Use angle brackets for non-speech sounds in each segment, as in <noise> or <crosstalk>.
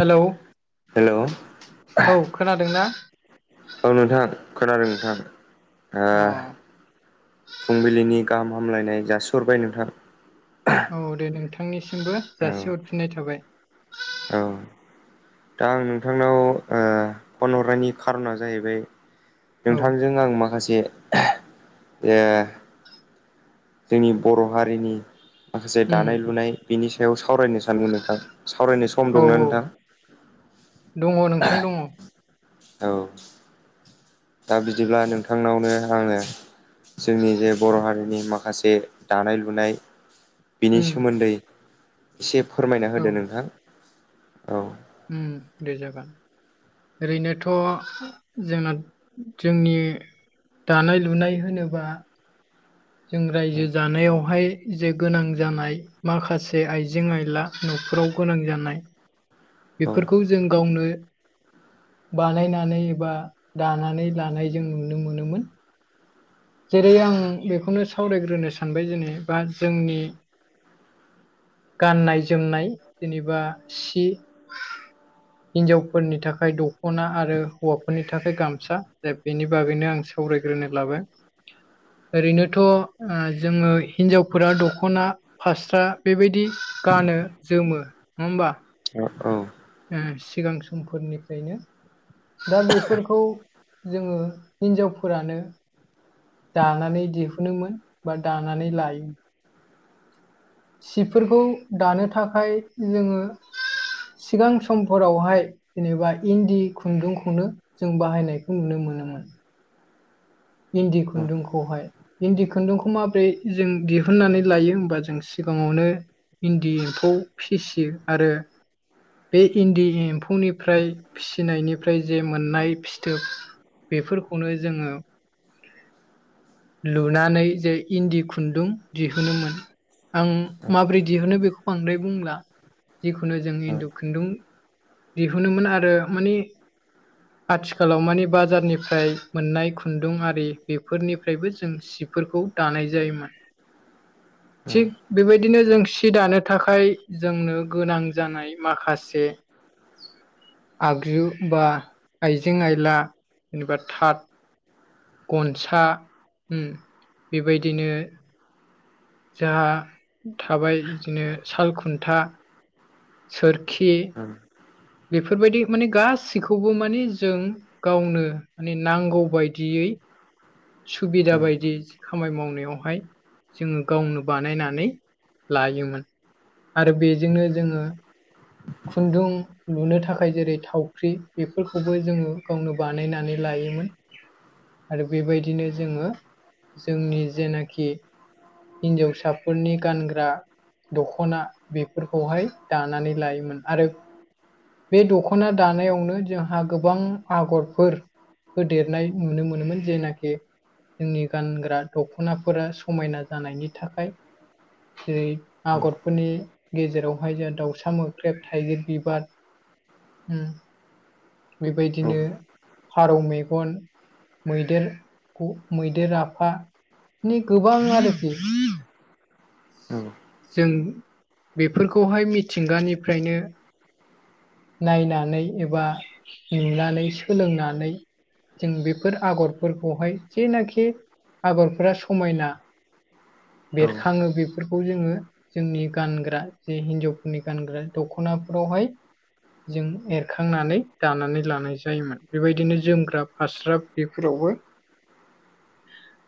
Hello हेल' औ खोनादोंना? औ नोंथां खोनादों नोंथां अ फुंबिलिनि गाहाम हामलायनाय जासिहरबाय नोंथां औ दे नोंथांनिसिमबो औ जासि हरफिननाय थाबाय औ दा आं नोंथांनाव फन हरनायनि कार'ना जाहैबाय औ नोंथांजों आं माखासे ओ जोंनि बर' हारिनि माखासे उम दानाय लुनाय बिनि सायाव सावरायनो सानदों नोंथां सावरायनो सम सम औ दंना औ नोंथां दङ नोंथां दङ औ दा बिदिब्ला नोंथांनावनो आङो जोंनि जे बर' हारिनि माखासे दानाय लुनाय बिनि उम सोमोन्दै एसे फोरमायना होदो नोंथां औ उ दे जागोन ओरैनोथ' जोंना जोंनि दानाय लुनाय होनोब्ला जों रायजो औ जानायावहाय जे गोनां जानाय माखासे आइजें आयला नखराव गोनां जानाय बेफोरखौ जों गावनो बानायनानै एबा दानानै लानाय जों नुनो मोनोमोन। जेरै आं बेखौनो सावरायग्रोनो सानबाय जेने बा जोंनि गाननाय जोमनाय जेनेबा सि हिनजावफोरनि थाखाय दख'ना आरो हौवाफोरनि थाखाय गामसा बेनि बागैनो आं सावरायग्रोनो लाबाय ओरैनोथ' जोङो हिनजावफोरा दखना फास्रा बेबायदि गानो जोमो नङा होमबा ओ औ सिगां समफोरनिफ्रायनो दा बेफोरखौ जोङो हिनजावफोरानो दानानै दिहुनोमोन बा दानानै लायोमोन सिफोरखौ दानो थाखाय जोङो सिगां समफोरावहाय जेनेबा इन्दि खुन्दुंखौनो जों बाहायनायखौ नुनो मोनोमोन इन्दि औ खुन्दुंखौहाय इन्दि खुन्दुंखौ माबोरै जों दिहुननानै लायो होमबा जों सिगाङावनो इन्दि एम्फौ फिसियो आरो बे इन्दि एम्फौनिफ्राय फिसिनायनिफ्राय जे मोननाय फिथोब बेफोरखौनो जोङो लुनानै जे इन्दि खुन्दुं दिहुनोमोन। आं दे ओ माब्रै दिहुनो बेखौ बांद्राय बुंला जिखुनु जों इन्दि खुन्दुं दिहुनोमोन आरो माने आथिखालाव माने बाजारनिफ्राय मोननाय खुन्दुं आरो। बेफोरनिफ्रायबो जों सिफोरखौ दानाय जायोमोन थिग बेबादिनो जों सि दानो थाखाय जोंनो गोनां जानाय माखासे आगजु बा आइजें आइला जेनेबा थाद गनसा उम बेबादिनो दा थाबाय बिदिनो साल खुन्था सोरखिनि उम। बेफोरबायदि माने गासिखौबो माने जों गावनो माने नांगौ बायदियै सुबिदा बादि खामाय मावनायावहाय जोङो गावनो बानायनानै लायोमोन। आरो बेजोंनो जोङो खुन्दुं लुनो थाखाय जेरै थावख्रि बेफोरखौबो जोङो गावनो बानायनानै लायोमोन। <inaudible> आरो बेबायदिनो जोङो जोंनि जेनाखि हिनजावसाफोरनि गानग्रा दख'ना बेफोरखौहाय दानानै लायोमोन आरो। बे दख'ना दानायावनो जोंहा गोबां आगरफोरा होदेरनाय नुनो मोनोमोन जेनाखि। जोंनि गानग्रा दख'नाफोरा समायना जानायनि थाखाया जेरै आगरफोरनि गेजेरावहाय जोंहा दाउसा मोख्रेब थाइगिर बिबार ओम बेबायदिनो फारौ मेगनो मैदेरखौ मैदेर आफानि गोबां आरोखि औ। जों बेफोरखौहाय मिथिंगानिफ्रायनो नायनानै एबा नुनानै सोलोंनानै। जों बेफोर आगरफोरखौहाय जेनाखि आगरफोरा समायना बेरखाङो बेफोरखौ जोङो ओ जोंनि गानग्रा जि हिनजावफोरनि गानग्रा दख'नाफोरावहाय जों एरखांनानै दानानै लानाय जायोमोन बेबायदिनो जोमग्रा फास्राब जिफोरावबो <inaudible>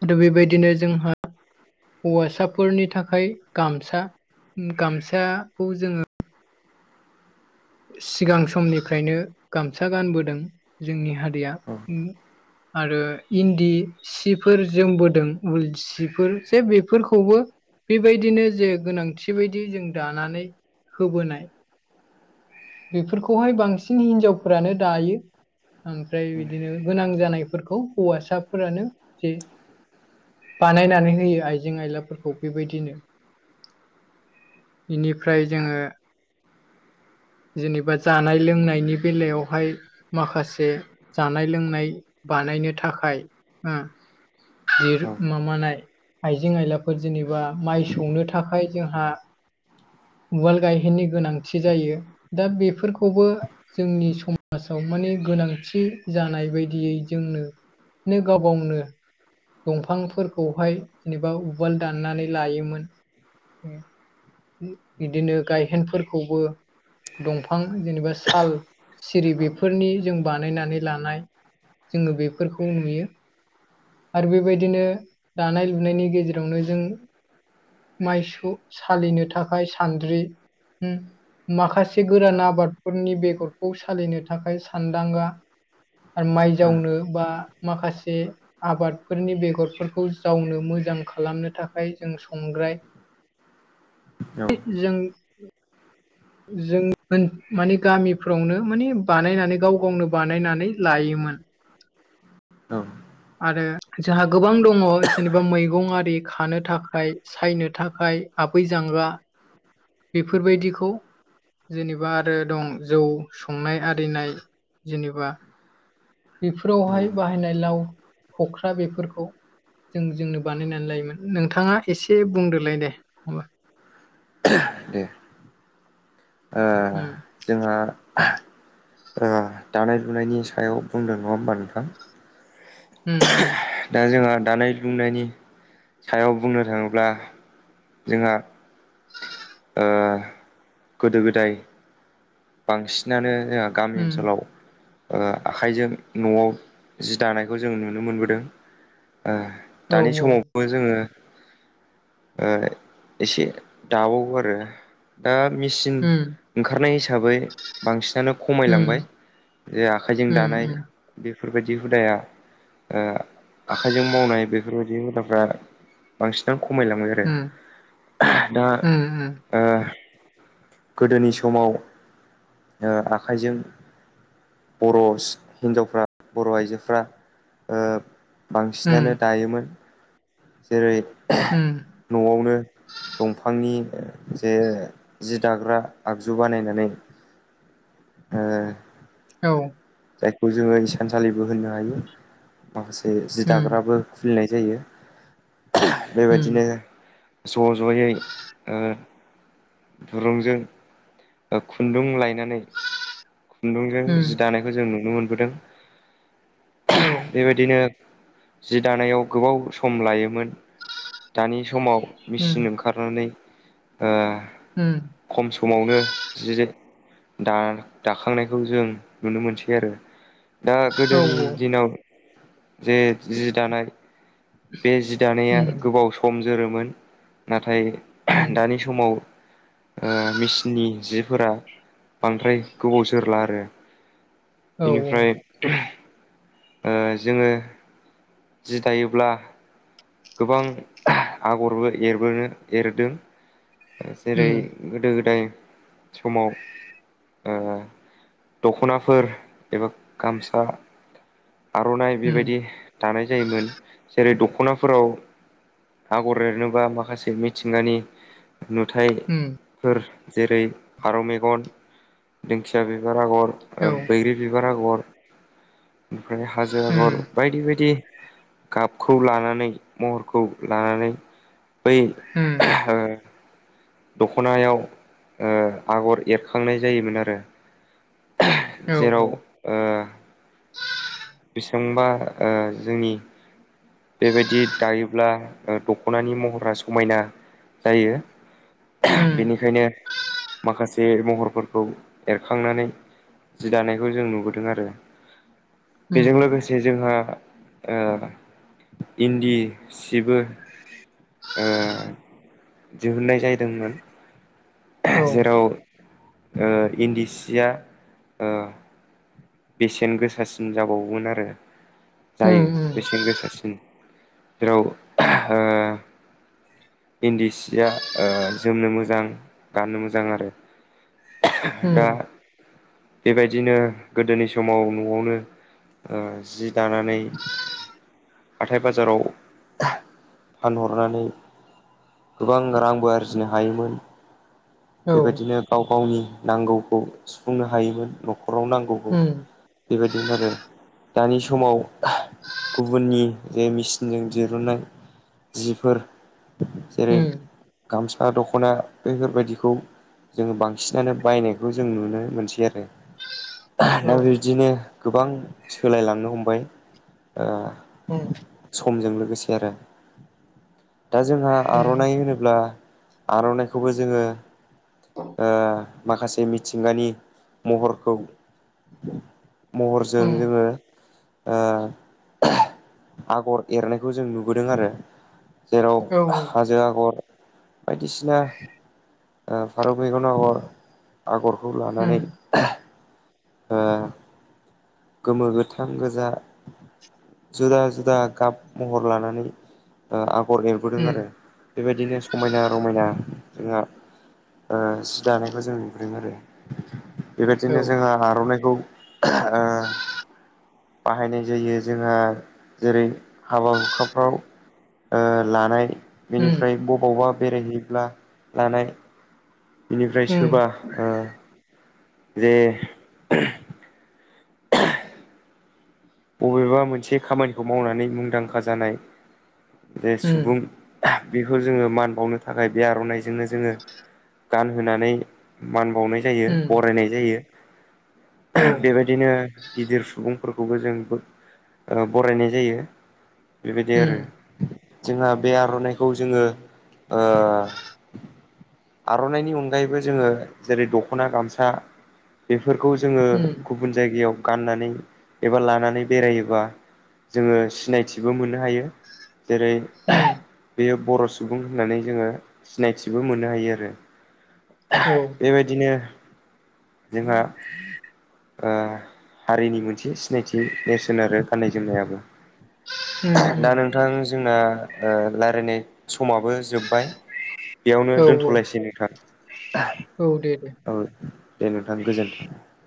आरो बेबादिनो जोंहा हौवासाफोरनि थाखाय गामसा गामसाखौ जोङो ओ सिगां समनिफ्रायनो गामसा गानबोदों जोंनि हारिया ओ आरो इन्दि सिफोर जोमबोदों उल सिफोर जे बेफोरखौबो। बेबायदिनो जे गोनांथि बायदि जों दानानै होबोनाय। बेफोरखौहाय बांसिन हिनजावफोरानो दायो ओमफ्राय बिदिनो गोनां जानायफोरखौ हौवासाफोरानो जे ओ बानायनानै होयो आइजें-आइलाफोरखौ बेबायदिनो इनिफ्राय जोङो जेनेबा जानाय लोंनायनि बेलायाहाय माखासे जानाय लोंनाय बानायनो थाखाय ओ <unintelligible> मामानाय आइजें-आइलाफोर जेनेबा माइ सौनो थाखाय जोंहा उवाल गायहेननि गोनांथि जायो दा बेफोरखौबो जोंनि समाजाव माने गोनांथि जानाय बायदियै जोंना नो गावगावनो दंफांफोरखौहाय जेनेबा उवाल दाननानै लायोमोन। बिदिनो गायहेनफोरखौबो ओ दंफां जेनेबा साल सिरि बेफोरनि जों बानायनानै लानाय ओ जोङो बेफोरखौ नुयो। आरो बेबायदिनो दानाय-लुनायनि गेजेरावनो जों माइसु सालिनो थाखाय सानद्रि ओम माखासे गोरान आबादफोरनि बेगरखौ सालिनो थाखाय सानदांगा आरो माइ जावनो बा माखासे आबादफोरनि बेगरफोरखौ जावनो मोजां खालामनो थाखाय जों संग्राय जों जों माने गामिफ्रावनो माने बानायनानै गाव गावनो बानायनानै लायोमोन। आरो जाहा गोबां दङ' जेनेबा मैगं आरि खानो थाखाय सायनो थाखाय आबै जांगा बेफोरबायदिखौ जेनेबा आरो दं जौ संनाय आरिनाय जेनेबा बेफोरावहाय बाहायनाय लाव खख्रा बेफोरखौ जों जोंनो बानायनानै लायोमोन नोंथाङा एसे बुंदोलाय दे होमबा। दे ओ उम जोंहा ओ दानाय-लुनायनि सायाव बुंदों नङा होमबा नोंथां? ओम ओम दा जोंहा दानाय लुनायनि सायाव बुंनो थाङोब्ला जोंहा ओ गोदो गोदाय बांसिनानो जोंहा गामि उम ओनसोलाव ओ आखाइजों न'आव जि दानायखौ जों नुनो मोनबोदों। ओ औ दानि औ समाव बो जोङो एसे दाबावो आरो दा मेसिन उम ओंखारनाय हिसाबै बांसिनानो उम खमायलांबाय जे आखाइजों उम दानाय बेफोरबायदि हुदाया ओ आखाइजों मावनाय बेफोरबायदि हुदाफ्रा बांसिनानो खमायलांबाय आरो। दा उम उम ओ गोदोनि समाव ओ आखाइजों बर' हिनजावफ्रा बर' आइजोफ्रा ओ बांसिनानो उम दायोमोन। जेरै उम न'आवनो दंफांनि जे जि दाग्रा आगजु बानायनानै ओ औ जायखौ जोङो इसानसालिबो होननो हायो माखासे जि उम दाग्राबो खुलिनाय जायो उम बेबायदिनो ज' ज'यै ओ दुरुंजों खुन्दुं लाय नानै खुन्दुंजों उम जि दानायखौ जों नुनो मोनबोदों। औ बेबायदिनो जि दानायाव गोबाव सम लायोमोन दानि समाव उम मेसिन ओंखारनानै ओ उम खम समावनो जि दा दाखांनायखौ जों नुनो मोनसै आरो दा औ गोदोनि दिनाव जे जि दानाय बे जि दानाया उम गोबाव सम जोरोमोन नाथाय उम दानि समाव ओ मेसिननि जिफोरा बांद्राय गोबाव जोरला आरो। औ बेनिफ्राय ओ जोङो जि दायोब्ला गोबां आगरबो एरबोनो एरदों जेरै उम गोदो गोदाय समाव ओ दख'नाफोर एबा गामसा आर'नाइ उम बेबायदि दानाय जायोमोन जेरै दख'ना फोराव आगर एरनोबा माखासे मिथिंगानि नुथाय उम फोर जेरै फारौ मेगन दिंखिया बिबार आगर औ बैग्रि बिबार आगर ओमफ्राय हाजो आगर उम बायदि बायदि गाबखौ लानानै महरखौ लानानै बै उम ओ दख'नायाव ओ आगर एरखांनाय जायोमोन आरो औ जेराव औ ओ बेसेबांबा ओ जोंनि बेबायदि दायोब्ला दख'नानि महरा समायना जायो उम बेनिखायनो माखासे जे महरफोरखौ एरखांनानै जि दानायखौ जों नुबोदों आरो बेजों उम लोगोसे जोंहा ओ इन्दि सिबो <inaudible> ओ दिहुननाय जाहै जादोंमोन औ जेराव ओ इन्दिसिया ओ बेसेन गोसासिन जाबावोमोन आरो उम जायो उम बेसेन गोसासिन जेराव ओ इन्दि सिया ओ जोमनो मोजां गाननो मोजां आरो दा उम बेबायदिनो गोदोनि समाव न'आवनो ओ जि दानानै हाथाय बाजाराव दानानै गोबां रांबो आरजिनो हायोमोन औ बेबायदिनो गाव गावनि नांगौखौ सुफुंनो हायोमोन न'खराव नांगौखौ उम बेबायदिमोन आरो दानि समाव गुबुननि जे मेचिनजों दिरुननाय जिफोर जेरै उम गामसा दख'ना बेफोरबायदि खौ जोङो बांसिनानो बायनायखौ जों नुनो मोनसै आरो दा औ बिबदिनो गोबां सोलायलांनो हमबाय ओ उम समजों लोगोसे आरो दा जोंहा आरनाइ होनोब्ला आर'नाइखौबो जोङो ओ माखासे मिथिंगानि महरखौ महरजों उम उम औ उम जोङो ओ आगर एरनायखौ जों नुबोदों आरो जेराव औ हाजो आगर बायदिसिना ओ फारौ मैगन आगर आगरखौ लानानै ओ गोमो गोथां गोजा जुदा जुदा गाब महर लानानै ओ आगर एरबोदों आरो बेबायदिनो समायना रमायना जोंहा ओ सि दानायखौ जों नुबोदों आरो बेबायदिनो जोङो आर'नाइखौ ओ बाहायनाय जायो जोंहा जेरै हाबा हुखाफ्राव ओ लानाय उम बेनिफ्राय बबावबा बेरायहैयोब्ला लानाय बिनिफ्राय सोरबा उम ओ जे <unintelligible> बबेबा मोनसे खामानिखौ मावनानै मुंदांखा जानाय जे उम औ उम औ उम सुबुं बेफोर जोंङो मान बावनो थाखाय बे आर'नाइजोंनो जोंङो गानहानै मान बावनाय जायो बरायनाय जायो। बेबायदिनो गिदिर सुबुंफोरखौबो जों बरायनाय जायो बेबायदि आरो। जोंहा बे आर'नाइखौ जोंङो ओ आर'नाइनि अनगायैबो जोंङो जेरै दख'ना गामसा बेफोरखौ जोंङो उम गुबुन जायगायाव गाननानै एबा लानानै बेरायोबा जोंङो सिनायथिबो मोननो हायो जेरै ओम बेयो बर' सुबुं होननानै जोङो सिनायथिबो मोननो हायो आरो। औ बेबायदिनो जोंहा हारिनि मोनसे सिनायथि नेरसोन आरो गाननाय जोमनायाबो दा नोंथां जोंना रायज्लायनाय समाबो जोब्बाय। बेयावनो औ औ दोनथ'लायसै नोंथां औ दे दे औ दे नोंथां गोजोन्थों।